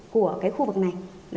của cái khu vực này